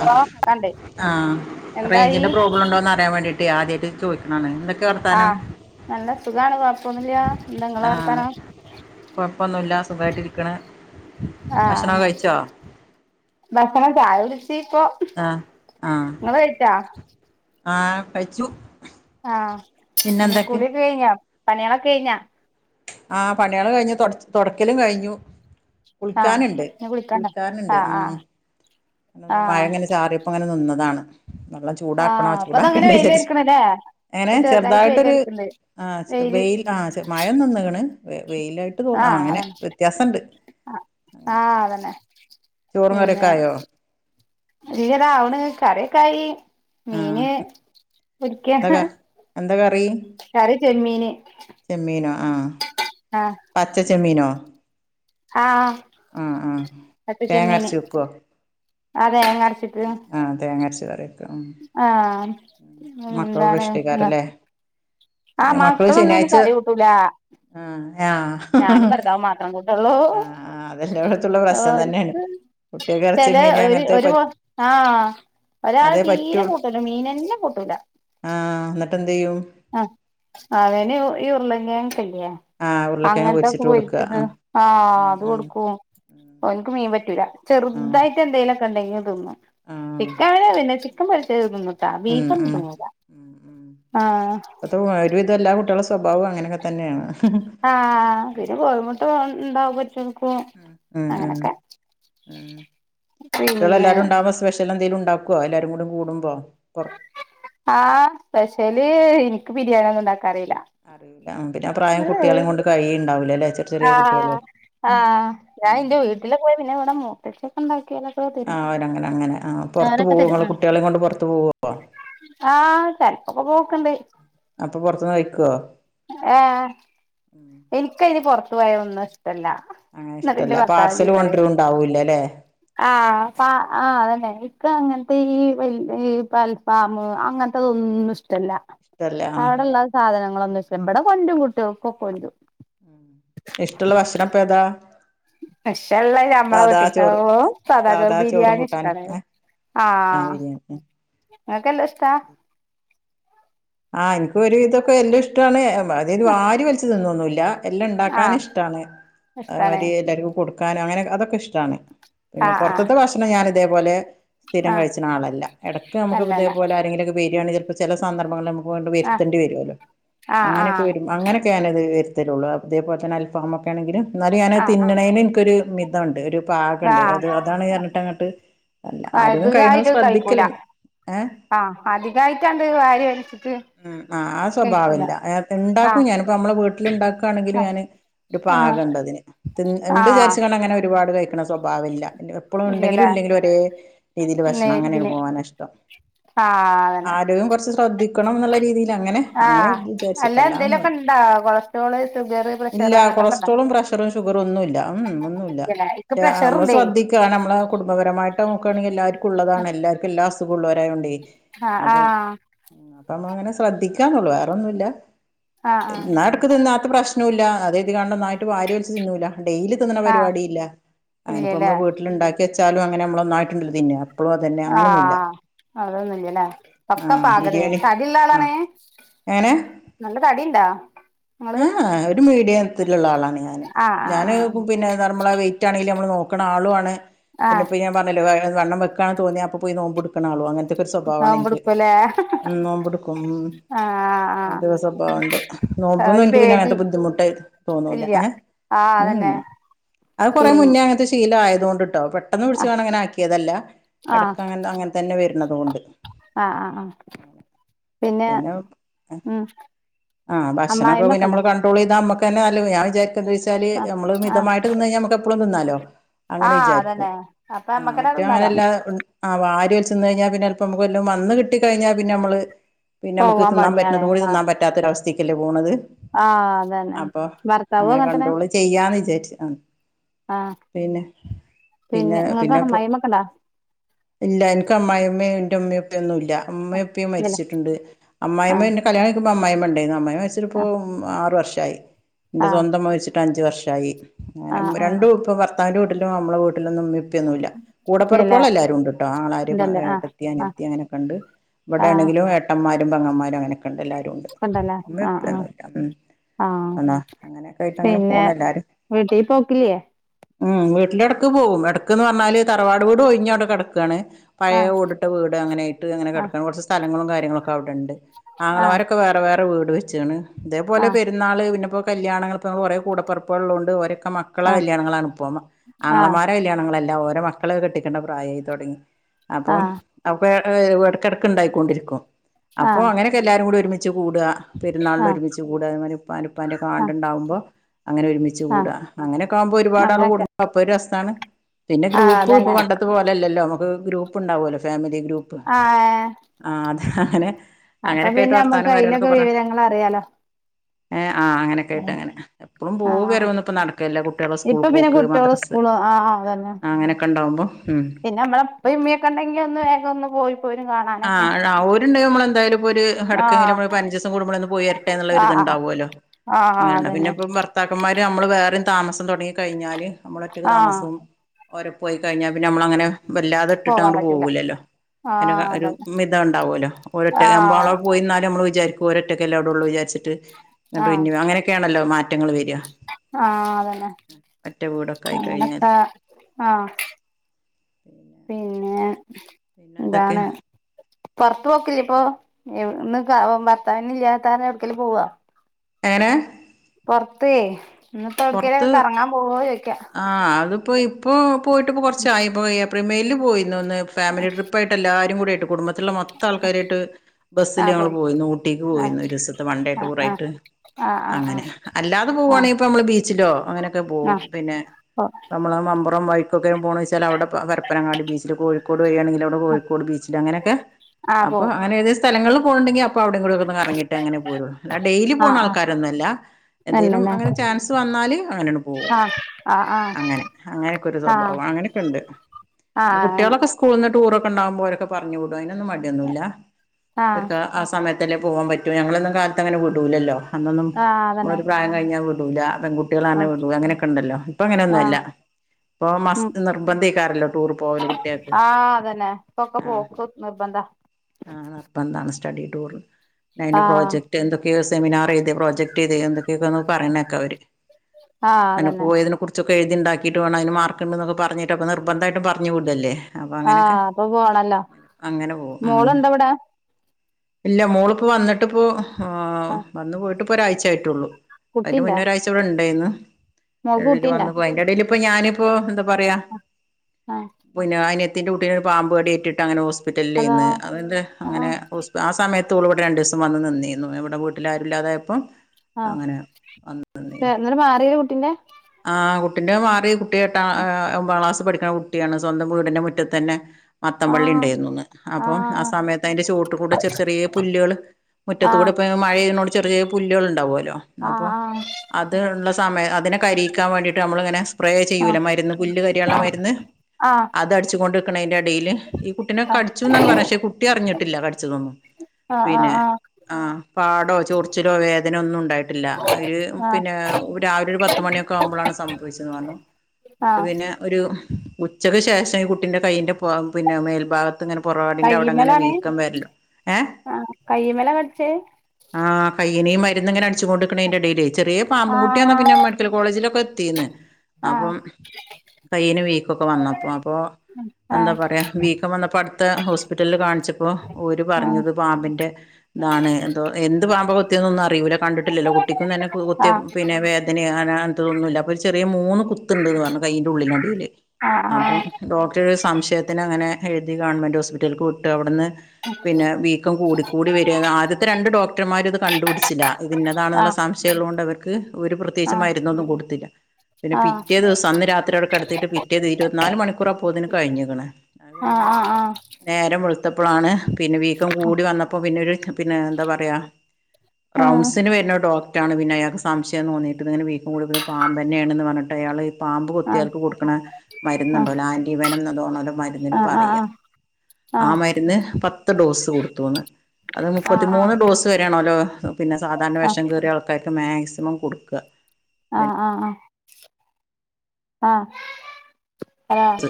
Hello കണ്ടേ ആഹ് എന്തായി റേഞ്ചിന്റെ പ്രോബ്ലം ഉണ്ടോന്ന് അറിയാൻ വേണ്ടിയിട്ട് ആദ്യയായിട്ട് ചോദിക്കാ ആഹ് എന്തെക്കെ ആഹ് നല്ല സുഖാണ് കൊഴപ്പൊന്നില്ല എന്താങ്ങളെ വർത്താനം കൊഴപ്പൊന്നുല്ല സുഖായിട്ടിരിക്ക്ണ് ആഹ് ഭക്ഷണം ചായ കുടിച്ചീ പ്പൊ ആഹ് ആഹ് ആഹ് കയിച്ചു ആഹ് പിന്നെ കുളിക്കെഴിഞ്ഞാ പണിയാളൊക്കെഴിഞ്ഞാ ആഹ് പണിയളെ കഴിഞ്ഞു തുട്ച് തുടക്കലും കഴിഞ്ഞു ആഹ് കുളിക്കാനെണ്ട് ഇനി കുളിക്കാണ്ടോ കുളിക്കാനെണ്ട് ആഹ് ഉം ആഹ് ന്നൊന്ന് ആഹ് മഴങ്ങനെ ചാറി- പ്പം അങ്ങനെ നിന്നതാണ് വെള്ളം ചൂടാക്കണോ ആഹ് അപ്പത് അങ്ങനെ ചൂടാക്കണ്ടേ ജാരിച്ച് വെയിലരിക്കണല്ലേ എങ്ങനെ ഇപ്പൊ ചെറുതായിട്ട് ചെറുതായിട്ടൊരൂ വെയിലരിക്കണ്ട് ആഹ് ചെ വെയില് വെയിൽ ആഹ് മഴം നിന്ന്ക്ണ് വെ വെയിലായിട്ട് തോന്നാ ആഹ് അങ്ങനെ അതന്നെ വ്യത്യാസംണ്ട് ആഹ് ആഹ് അതന്നെ ചോറും പിന്നെ കറിയൊക്കെ ആയോ ഇല്ലടാ അവനെ കറിക്കായീ ആഹ് മീന് എന്താ ക [unintelligible] എന്താ കറി കറി ചെമ്മീന് ചെമ്മീനോ ആഹ് ആഹ് പച്ച ചെമ്മീനോ ആഹ് ആഹ് ആഹ് തേങ്ങര്ച്ച് വെക്കുവോ അതെ [inaudible] ആഹ് തേങ്ങരച്ച കറി വെക്കും ഉം ആഹ് ഉം മക്കക്കൊക്കെ എന്താണ് ങ ഇഷ്ടേക്കാരല്ലേ ആഹ് മക്കള് മക്കളൊന്നുംയിന് ശനിയാഴ്ച കറി കൂട്ടൂലാ ആഹ് ആഹ് ഞാനും ആഹ് ഭർത്താവും മാത്രം കൂട്ടും ഹലോ ആഹ് അതെല്ലായിടത്തുള്ള പ്രശ്നം തന്നെയാണ് ഓര്ക്ക് കുട്ടികൾക്ക് ഇറച്ചി ചെലെ മീന് ഒരു അങ്ങനത്തെ ഒര് പറ്റ മാസ ആഹ് ഒരാളെ അതേ തീരെ പറ്റുള്ളൂ കൂട്ടൂല മീനെന്നെ കൂട്ടൂല ആഹ് ന്നെട്ടെന്തെയ്യും ആഹ് അവന് ഈ ഉരുളങ്‌കേങ് ഇല്ലിയോ ആഹ് ഉരുളക്കിഴങ്ങ് അങ്ങൻത്തെക്കെ പൊരിച്ചിട്ട് കൊടുക്കുക പൊരിക്ക്ന്ന് ആഹ് ആഹ് ഉം അത് ഉം കൊടുക്കും അവനിക്ക് മീൻ പറ്റൂല ഉം ആഹ് ചെറുതായിട്ട് എന്തെങ്കലുംക്കെണ്ടെ തിന്നും ആഹ് പിന്നെ അവന് ചിക്കൻ പൊരിച്ചത് തിന്നുട്ടാ ഉം ബീഫാെന്നും ഉം തിന്നൂലാ ഇപ്പ ഒരുവിധം എല്ലാ കുട്ടികളുടെ സ്വഭാവവും അങ്ങനെയൊക്കെ തന്നെയാണ് ആഹ് പിന്നേ ബദ്ധിമുട്ട് ഉണ്ടാവ പറ്റും ഉം ഉം ഉം പിന്നെ ട്ട്യേളെല്ലാരും ണ്ടാവ്മ്പ സ്പെഷ്യലെന്തേലും ണ്ടാക്കാേ എല്ലാരും കൂടി കൂട്മ്പം പൊർ ആഹ് സ്പെഷ്ല് ഇന്ക്ക് ബിര്യാണി ഒന്നും ണ്ടാക്കാൻ അറീലാ അറിയൂല പിന്നെ ആ പ്രായം കുട്ടികളേം കൊണ്ട് കഴിയ്ണ്ടാവ് ലലേ ചെ ആഹ് ആഹ് ഞാൻ ഉം എന്റെ വീട്ടിലൊ പോയ പിന്നെ ഇവിടെ മുത്തശീയൊക്കെ ഉണ്ടാക്കിയാലോ ആഹ് അവിടെ അങ്ങെനെ അങ്ങെനെ ആഹ് പൊർത്ത് തരും പോവോങ്ങള് ആഹ് കുട്ട്യേളിം കൊണ്ട് പൊർത്ത് പോവോ പ്പം ആഹ് ചെൽപ്പോക്കെ പോക്ക്ണ്ട് അപ്പൊ പൊർത്ത്ന്ന് കയ്ക്കാേ ആഹ് എനിക്കതിന് പുറത്തു പോയ ഒന്നും ഇഷ്ടല്ല അങ്ങെനെ എന്നിട്ട് എന്റെ ഇഷ്ടല്ല ഭർത്താവ് പാർസല് ചീത്ത പറയും കൊണ്ട്രും ണ്ടാവൂല്ല ലേ ആഹ് പ ആഹ് അത് തന്നെ ഇപ്പ അങ്ങനത്തെ ഈ [unintelligible] പാമ് അങ്ങനത്തെതൊന്നും ഇഷ്ടല്ല ഇഷ്ടല്ല ആ അവിടെള്ള സാധനങ്ങളൊന്നും ഇഷ്ടല്ല ഇബടെ കൊഞ്ച് കൂട്ടും ഇഷ്ടെള്ള ഭക്ഷണംപ്പേതാ ഇഷള്ളെ ഞമ്മളെ വീട്ടീത്താ ഓ സാദാ ചോറ് ചോറും ബിര്യാണി കൂട്ടാനും ഇഷ്ടാണ് ആ ആ ആഹ് ബിരിയാണി നിങ്ങക്ക് എല്ലും ഇഷ്ടാ ആഹ് ഇൻക്കാെരു വിധാെക്കെ എല്ലും ഇഷ്ടാണ് മ അതെര്തി വാരി വൽച്ച് നിന്നൊന്നുല്ല എല്ലം ണ്ടാക്കാന് ആഹ് ഇഷ്ടാണ് ഇഷ്ടാണ് അതേമാരി എല്ലാര്ക്കും കൊട് ക്കാനും അങ്ങനെ അതൊക്കെ ഇഷ്ടമാണ് പിന്നെ ആഹ് ആഹ് പുറത്തത്തെ ഭക്ഷണം ഞാൻ ഇതേപോലെ സ്ഥിരം ആഹ് കഴ്ച്ച്ണ ആളല്ല എടക്ക് നമുക്ക് അല്ലല്ല ഇതേപോലേ ആരെങ്കിലൊക്കെ വര്യാണേ പ്പ ചെലെ സന്ദർങ്ങള്ല് നമ്മുക്ക് ആഹ് വരുത്തണ്ടി വര്വോല്ലോ ആഹ് അങ്ങെനൊക്കെ ആഹ് വരുംമ്പം അങ്ങെനെ ക്കേ ഞാൻത് വെര്ത്തലാെള്ളു അതേപോൽ തന്നെ അൽഫാമാെക്കേണെങ്കില് ന്നാലും ഞാനത് ആഹ് ആഹ് തിന്ന്ണേന് ൻക്കൊര് മി ഇതോണ്ട് ഒരു പാകണ്ട് അത് അതാണ്ർഞ്ഞിട്ട്ങ്ങട്ട് അല്ല ആഹ് ആരോഗ്യം കഴിണതും അധികായിട്ട് കഴിക്കൂല ശ്രദ്ധിക്കല്ണ്ട് ഏഹ് ആഹ് അധികമായിട്ടാണ്ട് അങ്ങൊട് വാരി വലിച്ചിട്ട് ഉം ആഹ് ആ കഴിക്കൂല സ്വഭാവംമില്ല ആഹ് ഉണ്ടാക്കും ഞാനിപ്പോ നമ്മളെ വീട്ടിൽ ഇണ്ടാക്കുവാണെങ്കിലും ആഹ് ഞാന് ര് ആഹ് പാകണ്ടതിന് തി ആഹ് ണ്ട്ചാര്ച്ച്കാണ്ടങ്ങനെ ഒര്പാട് കഴിക്ക്ണെ സ്വഭാവം ഇല്ല പ്പളും ഇണ്ടെങ്കിലും ഇല്ലല്ലേ ഇല്ലെങ്കിലും ഒരേ രീതില്. പിന്നെ ഭക്ഷണം അങ്ങനേണ് ഇതിന് പോകാന് ഇഷ്ടം ആഹ് അതന്നെ ആരോഗ്യം കൊർച്ച് ശ്രദ്ധിക്കണംന്ന്ള്ള രീതീലങ്ങെനെ ആഹ് അല്ല എന്തേലുക്കെണ്ടോ കൊളസ്ട്രോള്, ഷുഗറ്, പ്രഷറ് അങ്ങൻത്തൊക്കെണ്ടോ? പ്രഷർ, ഷുഗർ ഒന്നുംല്ല, മ്മ് മ്മ് ഒന്നുംല്ല, ഇല്ല ഇക്ക് നമ്മള് പ്രഷറുണ്ടേ ശ്രദ്ധിക്ക നമ്മളെ കുടുംബപരമായി ട്ട നോക്കാണെങ്കി എല്ലാർക്കുംഉള്ളതാണ് എല്ലാർക്കും എല്ലാ അസുഖുള്ളോരായോണ്ടേ അ ആഹ് അപ്പ അങ്ങനെ ശ്രദ്ധിക്കാന്നള്ളു വേറെന്നുല്ലാ ആ എന്നാ ആ അത് തിന്നാ പ്രശ്ന ഇല്ല അതായത് നന്നായിട്ട് വാരീ വലിച്ച് തിന്നൂല്ല ഡെയിലി തിന്ന് ആ പരിപാടില്ല ഇല്ലല്ലേ അങ്ങനെപ്പോമ്മള് വീട്ട്ല് ഇണ്ടാക്കി വെച്ചാലും അങ്ങെനെ മ്മളൊന്നായ്ട്ട്ണ്ട് ല്ലോ തിന്നാ ആഹ് അതൊന്നുല്ലലേ ഒക്കെ പ ആഹ് ബിരിയാണി തടിള്ള ആളാണോ ആഹ് എങ്ങനെ നല്ല തടിണ്ടോ ഏഹ് ഏ ഒര് മീഡിയംത്തില്ള്ള ആളാണ് ഞാന് ആ ആ ഞാന് പിന്നെ നർമ്മളാ വെ റ്റാണെങ്കില് നമ്മള് നോക്ക്ണ ആളു ആണ് ആ ആ പിന്നെപ്പ ഞാൻ പർ വല്യ വണ്ണം വെക്കാണ തോന്നിയ അപ്പോ പോയി നോമ്പ്ടുക്കണ ആളുവ അങ്ങനെ ക്കേര് സ്വഭാവമാണ് ഇൻക്ക് നോമ്പെടുക്കുല്ലേ ഉം നോമ്പ്ട്ക്കും ഉം ആ ആ അതേ സ്വഭാവണ്ട് നോ ആ അതൊന്നും ഒരു എനിക്ക് പിന്നെ പേടി അങ്ങനത്തെ ബുദ്ധിമുട്ട് തോന്നൂല, ഇല്ല അ ആ അതന്നെ മ്മ്-മ്മ് അത് കുറെ പിന്നെ മുന്നേ അ ത് ശീല ആയതുകൊണ്ട്ട്ടോ പെട്ടെന്ന് ആ പിടിച്ച്കാണ്ട് അങ്ങനെ ആക്കിയതല്ലാ എടക്ക് അങ്ങനെ അങ്ങൻ തന്നെ വരുന്നതോണ്ട്. ആഹ് ആഹ് ആഹ് പിന്നെ ഉം ആഹ് ഭക്ഷണൊക്കെ പിന്ന അമ്മായിമ്മക്കെണ്ട നമ്മൾ കണ്ട്രോൾ ചെയ്താ നമ്മുക്ക് തന്നെ നല്ല, ഞാൻ വിചാ എന്താ വെച്ചാല് ആ നമ്മള് ആ മിതമായിട്ട് തിന്ന് കഴിഞ്ഞാ നമ്മക്ക് എപ്പളും തിന്നാലോ, ആ അങ്ങനെ വിചാരിക്കും അതന്നെ അപ്പൊ ആഹ് നമ്മക്കന്നെ മറ്റെ അങ്ങനെ തിന്നാലോ അല്ലാ ആ വാരി വലിച്ചു തിന്ന് കഴിഞ്ഞാ പിന്നെ ചെൽപ്പം നമക്ക് വല്ലവും വന്ന് കിട്ടി കഴിഞ്ഞാ പിന്നെ നമ്മള് പിന്നെ നമുക്ക് പോവാൻ തിന്നാൻ പറ്റ്ണത് പണിയാണ് കൂടി തിന്നാൻ പറ്റാത്ത ഒരവസ്ഥീക്കല്ലേ പോണത്. ആ അതന്നെ അപ്പൊ ഭർത്താവും അങ്ങനെ അങ്ങനത്തന്നെ കൺട്രോൾ ചെയ്യാന്ന് വിചാരിച്ച് ആഹ് ആഹ് പിന്നെ പിന്നെ ഇങ്ങക്ക് പിന്നെപ്പൊ. അമ്മായിമ്മക്കെ ഇണ്ടാ ഇല്ല ഇൻക്ക് അമ്മായിമ്മീം ഇന്റെ മ്മിം പ്പിം ഒന്നും ഇല്ല ഇമ്മിം ഉപ്പിം ഇല്ലല്ലേ മരിച്ചിട്ടുണ്ട്. ആഹ് അമ്മായിമ്മന്നെ കല്ല്യാണം കഴിക്കുമ്പോ അമ്മായിമ്മണ്ടായിന്ന് അമ്മായിമ്മ മരിച്ചിട്ട്പ്പോ ആഹ് ആറു വർഷായി ന്റെ ആഹ് സ്വന്തം ഉമ്മ മരിച്ചിട്ട് ട്ട അഞ്ചു വർഷമായി അങ്ങനെ ആഹ് ആഹ് രണ്ടും ഇപ്പോ ഭർത്താവിന്റെ വീട്ടിലും നമ്മളെ വീട്ടിലൊന്നും മ്മിം പ്പിഒന്നുല്ല. ഇല്ലല്ലേ കൂടെപ്പറപ്പുകളെല്ലാരും ഉണ്ട് ട്ടോ, ആങ്ങളാര്, ഇണ്ടല്ലേ ആഹ് ഏട്ടത്തി, ആഹ് അനിയത്തി അങ്ങനൊക്കെണ്ട് ആഹ് ഇബടെണെങ്കിലും ഏ ട്ടന്മാരും പെങ്ങന്മാരും അങ്ങനക്കണ്ട് എല്ലാരും ഉ ഉണ്ടല്ലേ ആഹ്. ആഹ് [unintelligible] ഉം ആഹ് എന്നാ അങ്ങനെയൊക്കെ ആയിട്ട് അങ്ങനെ പിന്നെ പോണ് എല്ലാവരും വീട്ടീൽ പോക്കില്ലേ. ഉം വീട്ടിലെടക്ക് പോവും എടക്ക്ന്ന് പറഞ്ഞാല് തറവാട് വീട് ഒഴിഞ്ഞവടെ കെടക്കാണ് പഴെ ആഹ് ഓട് ട്ടെ വീട് അങ്ങനെയായിട്ട് അങ്ങനെ ആഹ് കെടക്കാണ് കൊർച്ച് സ്ഥലങ്ങളും കാര്യങ്ങളൊക്കെ അവിടെണ്ട്. ആഹ് ആങ്ങളമാരൊക്കെ വേറെ വേറെ വീട് വച്ച് ച്ചാണ് ഇതേപോലെ പെരുന്നാള് പിന്നെപ്പോ കല്ല്യാണങ്ങള്പ്പൊ ഞങ്ങള് കൊറേ കൂടപ്പറപ്പുകളുള്ളോണ്ട് ഒരൊക്കെ മ മക്കളെ ആഹ് കല്ല്യാണങ്ങളാണ്പ്പോ മ ആഹ് ആങ്ങളമാരെ കല്ല്യാണങ്ങളല്ല ഓരെ മക്കളൊക്കെ കെട്ടിക്കണ്ടെ പ്രായായി തൊടങ്ങി. ആഹ് അപ്പം ആഹ് [unintelligible] ഇടക്കിടക്ക് ഉണ്ടായിക്കൊണ്ടിരിക്കും അപ്പൊ ആഹ് അങ്ങനെ ക്കെ എല്ലാരും കൂടി ഒരുമിച്ച് കൂടാ പെരുന്നാൾന് ആഹ് ഒരുമിച്ച് കൂടാ ഉമ്മാന്റി ഉപ്പാന്റി ഉപ്പാന്റെക്കെ ആഹ് ആണ്ട്ണ്ടാവുമ്പോ അങ്ങനെ ഒരുമിച്ച് ആഹ് കൂടാ അങ്ങനെക്കെ ആകുമ്പോ ഒരുപാടാള് അങ്ങനൊക്കെ കൂടുമ്പോ അപ്പൊ ഒരു രസാണ്. പിന്നെ ആഹ് ഗ്രൂപ്പ് ഇപ്പൊ അതന്നെ പണ്ടത്തെ പോലെ ല്ലല്ലോ നമ്മക്ക് ഗ്രൂപ്പ് ഉണ്ടാവുല്ലോ, ഫാമിലി ഗ്രൂപ്പ് ആ അങ്ങനെ അ അപ്പൊ അങ്ങനെയൊക്കെ ആയിട്ട് പിന്നെ നമ്മുക്ക് വർത്താനം അയിലൊക്കെ വിവരങ്ങൾ അറിയാലോ. ഏ ആഹ് അങ്ങനെ ക്കേയ്ട്ടങ്ങനെ എപ്പളും പോകും ആഹ് വരോന്നും ഇപ്പോ നടക്കേല്ല കുട്ട്യളെ സ്കൂൾ ഇപ്പൊ പിന്നെ പോക്ക് കുട്ട്യോള് മദ്രസ്സ് സ്കൂള് ആഹ് അതന്നെ ആഹ് അങ്ങനൊക്കെ ഉണ്ടാവുമ്പോ ഹും പിന്നെ നമ്മളെ ഉപ്പിം ഇമ്മയൊക്ക ഉണ്ടെങ്കിൽ ഒന്ന് വേഗം ഒന്ന് പോയി പൂരം കാണാൻ. ആഹ്, ഓര്ണ്ടെങ്കി നമ്മള് എന്തായാലും ഇപ്പോ ഒര് കിടക്കുവെങ്കില് ആഹ് നമ്മള് പനഞ്ച് ദിവസം കൂടുമ്പള് ഒന്ന് പോയിരട്ടെ എന്നുള്ള ഒര് ആഹ് ഇത്ണ്ടാവുമല്ലോ ആഹ് ആഹ് അതന്നെ [unintelligible] ഭർതാക്കന്മാര് നമ്മള് വേറെം താമസം തുടങ്ങി കഴിഞ്ഞാല് നമ്മൾ ഒറ്റയ്ക്ക് ആഹ് താമസവും ഓര പോയി കഴിഞ്ഞാ പിന്നെ നമ്മളങ്ങനെ വല്ലാതെ ഇട്ടിട്ട് പോവാൻ അങ്ങോട്ട് പറ്റൂല പോകൂലല്ലോ അതിനൊക്ക ആഹ് ഒരു അതന്നെ മിതം ഉണ്ടാവൂല്ലോ? [unintelligible] എമ്പാള ആഹ് പോയി എന്നാലും മ്മള് വിചാരിക്കും ഓര് ഒറ്റക്കല്ലേ അവിടുള്ളൂ വിചാരിച്ച് ന്നട്ട് ആഹ് പിന്നിം അങ്ങനെയൊക്കെയാണല്ലോ മാറ്റങ്ങൾ വര ആഹ് അതന്നെ ആയി കഴിഞ്ഞാല് അങ്ങനൊക്കെ ആഹ് പിന്നെ പിന്നെ പിന്നെ എന്തൊക്കെ എന്താണ്. പൊർത്ത് പോക്കില്ലെപ്പൊ ഇന്ന് ഭർത്താവിന് ഇല്ലാത്താര എവ്ട്ക്കേലും പോവാ. എങ്ങനെ പൊർത്തേ ഇന്ന്പ്പോ എവ്ട്ക്കേലൊക്കെ കറങ്ങാൻ പോവോ ചോയ്ക്കാ. ആ അതിപ്പോ ഇപ്പോ പോയിട്ട് ഇപ്പോ കുറച്ചായി ഇപ്പോ ഏപ്രിൽ മേയിൽ പോയിരുന്നു ഒന്ന്. ഫാമിലി ട്രിപ്പായിട്ട് എല്ലാരുംകൂടിയിട്ട് കുടുംബത്തിലുള്ള മൊത്ത ആൾക്കാരായിട്ട്. ബസ്സിൽ ആഹ് ഞങ്ങൾ പോയി പോയിന്നു, ഊട്ടിക്ക് ആഹ് പോയിന്നു, ഒരു ഇസത്തെ വൺ ഡേ ആഹ് ആഹ് ടൂറായിട്ട്. ആഹ് അങ്ങനെ. ആഹ് അല്ലാതെ പോകുവാണേ ആഹ് ഇപ്പോ നമ്മള് ബീച്ചിലോ അങ്ങനെയൊക്കെ ആഹ് പോകും ആഹ് പിന്നെ പോ നമ്മള് മെമ്പറും വഴിക്കൊക്കെ പോണം വെച്ചാല് വെച്ചാൽ അവിടെ പനങ്ങാടി ബീച്ചില് കോഴിക്കോട് വഴിയാണെങ്കിൽ അവിടെ കോഴിക്കോട് ബീച്ചില് അങ്ങനെയൊക്കെ ആഹ് അപ്പൊ പോവും അങ്ങനെ ഏ സ്ഥലങ്ങളില് പോകണ്ടെങ്കിൽ അ അപ്പൊ അവിടെ എവിടെയെന്നൊക്കെ, ഒന്ന് കറങ്ങിട്ട് അങ്ങനെ ഒപോരേള്ളു അല്ല ഡെയിലി പോണ ആഹ് ആഹ് ആൾക്കാരൊന്നല്ല എന്തേലും അല്ലല്ലേ അങ്ങനെ ചാൻസ് വന്നാല് അങ്ങനെയാണ് പോവും ആഹ് ആഹ് ആഹ് അങ്ങനെ അങനെയൊകെരു ആഹ് സ്വഭാവം അങ്ങനെക്കണ്ട് ആഹ് ആണ് സ്കൂളിന്ന് ടൂർ ഒക്കെ ഉണ്ടാവുമ്പോ ഓരൊക്കെ പറഞ്ഞുവിടും അതിനൊന്നും മടിയൊന്നും ഇല്ല ഒരു ആഹ് സമയത്തല്ലേ പോവാൻ പറ്റൂ ഞങ്ങളെയൊന്നും കാലത്ത് അങ്ങനെ വിടൂലല്ലോ അന്നൊന്നും ആഹ് അതന്നെ ഒരു പ്രായം കഴിഞ്ഞാ വിട്ടു വുടുല്ല പെൺകുട്ടിക്കളാണേ ആഹ് വിടും അങ്ങനൊക്കെണ്ടല്ലോ ഇപ്പൊ അങനെയൊന്നല്ല ആഹ് ഇപ്പോ ഉം മസ്റ്റ് നിർബന്തേക്കാരല്ലോ ടൂർ പോവല് കുട്ട്യാക് ആഹ് അതന്നെ ഇപ്പൊക്കെ ആഹ് പോക്ക് നിർബന്ധ ആഹ് നിർബന്ധാണ് സ്റ്റഡി ടൂറ് അതിന്റെ ആഹ് പ്രോജക് എന്തൊക്കെയോ സെമിനാറ് എയ്തേ പ്രോജക്ട് എയ്തേ എന്തൊക്കെയൊക്ക ഒന്ന് പറയ ആഹ് [unintelligible] അതന്നെ പോയതിനെ കുറി ച്ചൊക്കെ എഴുതി ഇണ്ടാക്കിയിട്ട് വാണം അതിന് മാർക്ക്‌ ഇണ്ട് എന്നൊക്കെ പറഞ്ഞിട്ട് അപ്പോ നിർബന്ധായിട്ടും പറഞ്ഞ് വിടുല്ലേ ആഹ് അപ്പൊ പോണല്ലോ? അങ്ങനെ പോകും ഉം മോള്ണ്ടോ വടെ? ഇല്ല മോളിപ്പോ വന്നിട്ടിപ്പോ ആഹ് വന്നുപോയിട്ടിപ്പോ ഒരാഴ്ചയിട്ടൊള്ളു അതിന്റെ കുട്ടിണ്ടാ മുന്നൊരാഴ്ച ഇവിടെ ഉണ്ടായിന്ന്. മോൾക്ക് എന്നിട്ട് കുട്ടിണ്ടാ വന്ന് പോ അതിന്റെ ഇടേൽ ഇപ്പോ ഞാനിപ്പോഎന്താ പറയാ ആഹ് ആഹ് പിന്നെ അനിയത്തിന്റെ കൂട്ടീനൊരു പാമ്പ് കടിയേറ്റിട്ട് അങ്ങനെ അതാ ഹോസ്പിറ്റലിലേന്ന് അതിന്റെ അങ്ങനെ ആഹ് ഹോസ് ആ സമയത്ത് ഓള് ഇവ്ടെ രണ്ട്സം വന്ന് നിന്നിരുന്നു ഇവിടെ വീട്ടിലാരൂല്ലാതായപ്പം ആഹ് ഏ എന്നിട്ട് മാറിയോ കുട്ടിന്റെ ആഹ് കുട്ടിന്റെ മാറി കുട്ടി എട്ടാം ഏ ഒമ്പതാം ക്ലാസി പഠിക്കണ കു കുട്ടിയാണ് സ്വന്തം വീടിന്റെ മുറ്റതെന്നെ മത്തം വള്ളി ആഹ് ണ്ടെര്ന്നൂന്ന് അപ്പം ആ ആഹ് സമയത്ത് അതിന്റെ ചോട്ട്കൂടെ ചെറി ചെറിയ പുല്ലേള് ആഹ് മുറ്റത്തുകൂടെപ്പം മഴപെയ്യണോണ്ട് ചെറിയ ചെറിയ പുല്ലുകളിണ്ടാവുല്ലോ അപ്പൊ ആഹ് അത് ഉള്ള സമയം അതിനെ കരിയിക്കാൻ വേണ്ടിയിട്ട് നമ്മളിങ്ങനെ സ്പ്രേ ചെയ്യൂലേ ആഹ് മരുന്ന് പുല്ല് കരിയാനുള്ള മരുന്ന്. ആഹ് അത് അടിച്ചു കൊണ്ട് നിക്കണേന്റെ ഇടയിൽ ഈ കു പിന്നെ കട്ച്ചുന്നണ്ട് പറയാ പക്ഷെ കുട്ടി അറിഞ്ഞിട്ടില്ല കടിച്ചതൊന്നും ആഹ് ആഹ് പിന്നെ ആഹ് ആഹ് പാടോ ചൊറിച്ചിലോ വേദനോ ഒന്നും ണ്ടായിട്ട്ല്ല ഒര് ആഹ് ആഹ് പിന്നെ രാവിലെ ഒരു പത്ത്മണി ഒക്കെ ആവുബാളാണ് സംഭവിച്ചുങ്ങാണ് ആഹ് പിന്നെ ഒരു ഉച്ചക്ക് ശേഷം ഈ കുട്ടിന്റെ കയ്യിന്റെ പിന്നെ മേൽഭാഗ ഇങ്ങനെ പൊറാടിന്റെ അവ്ടെങ്ങനെ കയ്യിമ്മലാണ് വീക്കം വേരലും ഏഹ് ആഹ് കയ്യിമ്മലാ കടിച്ചേ ആഹ് കഴിണി ഈ മരുന്ന് ഇങ്ങനെ അടിച്ചുങ്ങോണ്ടയിരിക്കുന്നതിന്റെ ഇടയിലെ ചെറിയ പാമ്പും കുട്ടിയാന്നാ ആഹ് പിന്നെ ഇമ്മ കോളേജിലൊക്കെ എത്തീന്ന് അപ്പൊ ആഹ് കയ്യിന് വീക്കൊക്കെ വന്നപ്പോ അപ്പോ എന്താ ആഹ് പറയാ വീക്കം വന്നപ്പോ അടുത്ത ഹോസ്പിറ്റലില് കാണിച്ചപ്പോ ഓര് ആഹ് പറഞ്ഞത് പാമ്പിന്റെ ഇതാണ് എന്തോ എന്ത് പാമ്പ് കൊത്തിയെന്ന് ഒന്നും അറിയൂല്ല കണ്ടിട്ടില്ലല്ലോ കുട്ടിക്കും തന്നെ കുളുക ആഹ് കുത്തിയപ്പോ പിന്നെ വേദനെ അങ്ങനെ അന അതും ഒന്നുല്ല അപ്പോച് ചെറിയ മൂന്ന് കുത്ത്ണ്ട്ന്ന് പറഞ്ഞു കയ്യിന്റെ ഉള്ളിലടിയില് അപ്പൊ ആഹ് ഡോക് ച്ച് സംശയത്തിന്ങ്ങനെ എഴുതി ഗവൺമെന്റ് ഹോസ്പിറ്റൽക്ക് വിട്ട് അവിട്ന്ന് പിന്നെ വീക്കം കൂട് കുടിവര ആദ്യത്തെ രണ്ട് ഡോക്ടർമാര് ഇത് കണ്ടുപിടിച്ചില്ല ഇത് ഇന്നതാണെന്നുള്ള ആഹ് സംശയം ഉള്ളതുകൊണ്ട് അവർക്ക് ഒരു പ്രത്യേകിച്ച് ആഹ് മരുന്നൊന്നും കൊടുത്തില്ല പിന്നെ ആഹ് ആഹ് പിറ്റേ ദിവസം അന്ന് രാത്രി അവിടെ കിടത്തിട്ട് പിറ്റേന്ന് ഇരുപത്തിനാല് മണിക്കൂറ് അപ്പോത്തിന് കഴിഞ്ഞിക്കാണ് ആഹ് ആഹ് ആഹ് നേരം വെളുത്തപ്പളാണ് പിന്നെ വീക്കം കൂടി വന്നപ്പോ പിന്നൊരു പിന്നെ എന്താ പറയാ ആഹ് റൗണ്ട്സിന് വരുന്ന ഡോക് ട്ടാണ് പിന്നെ അയാക്ക് സംശയം തോന്നിട്ട് ഇങ്ങനെ വീക്കം കൂടിയപ്പം ഇത് പാമ്പ് തന്നെയണെന്ന് പറഞ്ഞട്ട് അയാള് പാമ്പ് ആഹ് കുത്തിയോല്ക്ക് കൊടുക്കണ ആഹ് മരുന്നുന്ന്ണ്ടല്ലോ ആന്റി വേനം എന്നന്തോ ആണ് മരുന്നിന് ആഹ് പറയ ആഹ് ആ മരുന്ന് പത്ത് ഡോസ് കൊടുത്തൂന്ന് അത് ആഹ് ആഹ് മുപ്പത്തിമൂന്ന് ഡോസ് വരേണോല് പിന്നെ സാധാരണ വെഷം കയറിയാൾക്കാർക്ക് മാക്സിമം കൊടുക്ക ആ ആ ആ ആഹ് ആഹ് സ്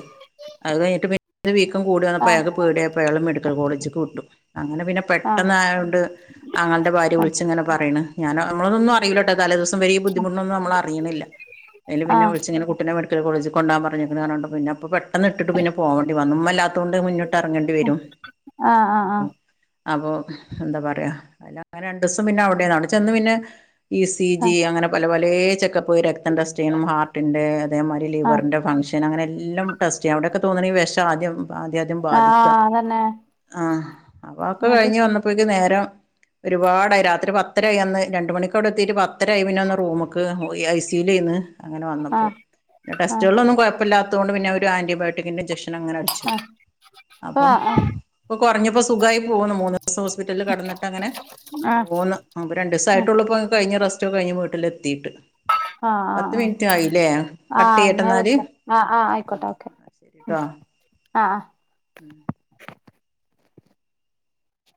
അത് കഴിഞ്ഞിട്ട് പിന്നെ വീക്കം കൂടാണ് അപ്പ ആഹ് അയക്ക് പേടിയായപ്പോ അയാള് മെഡിക്കൽ കോളേജ്ക്ക് വിട്ടു അങ്ങനെ പിന്നെ പെട്ടന്നായോണ്ട് ആങ്ങളന്റെ ഭാര്യ ആഹ് വിളിച്ച്ങ്ങനെ പറയ്ണ് ഞാന് നമ്മള്തൊന്നും അറിയൂലാട്ടോ തലേ ദിവസം വരെയീ ബുദ്ധിമുട്ട്ണതൊന്നും നമ്മളറിയണില്ല ൽ പിന്നെ ആഹ് വിളിച്ച്ങ്ങനെ കുട്ടിനെ മെട് മെഡിക്കൽ കോളേജിക് കൊണ്ടാവാം പറഞ്ഞിക്കണ് പറഞ്ണ്ട് പിന്നപ്പോ പെട്ടെന്ന് ഇട്ടിട്ട് പിന്നെ പോവണ്ടി വന്ന് ഉമ്മല്ലാ ത്തോണ്ട് മുന്നിട്ട് എറങ്ങണ്ടി വരും ആഹ് ആഹ് ആഹ് മ്മ് അപ്പൊ എന്താ പറയാ അല്ല അങ്ങനെ രണ്ടുസം പിന്നെ അവിടെന്ന് അവടെ ചെന്ന് പിന്നെ ഈ സി ആഹ് ജി അങ്ങനെ പല പലേ ചെക്കപ്പ് രക്തം ടെസ്റ്റ് ചെയ്യണം ഹാർട്ടിന്റെ അതേമാരി ആഹ് ആഹ് ലിവറിന്റെ ഫംഗ്ഷൻ അങ്ങനെ എല്ലം ടെസ്റ്റ്ച്യ്യ അവിടൊക്കെ തോന്നണീ വെഷം ആദ്യം ആദ്യാദ്യം ബാധിക്ക അതന്നെ ആഹ് അപ്പൊ അ ഒക്കെ എന്നിട്ട് കയിഞ്ഞ് വന്നപ്പോക്ക് ന്നേരം ഒരുപാടായി രാത്രി പത്തരായി അന്ന് രണ്ട് മണിക്കവടെ എത്തീട്ട് പത്തരായി പിന്നെ ഒന്ന് റൂമ്ക്ക്‌ പോയി ഐ സി യൂലേന്ന് അങ്ങനെ വന്നപ്പോ ആഹ് ന്നെ ആഹ് ടെസ്റ്റുകള്ലൊന്നും കൊയപ്പമല്ലാത്തോണ്ട് പിന്നവര് ആന്റിബയോട്ടിക്കിന്റെ ഇൻജക്ഷനങ്ങനെ അടിച്ച് ആഹ് അപ്പം ആഹ് ആഹ് ഇപ്പൊ കുറഞ്ഞപ്പോ സുഖായി പോണ് മൂന്നൂസം ഹോസ്പിറ്റലിൽ കെടന്നിട്ടങ്ങനെ ആഹ് ഒന്ന് ഉം പ്പോ രണ്ടീസായിട്ടുള്ളൂപ്പോ കഴിഞ്ഞ് റസ്റ്ററ്റ് ഒക്കെ കഴിഞ്ഞ് വീട്ടിലെത്തീട്ട് ആഹ് പത്ത് ആഹ് മിൻറ്റായിലേ കട്ടിയ്യട്ടെന്നാല് ആ ആ ആയിക്കോട്ടെ ഓക്കെ ഉം ആ ആ [inaudible]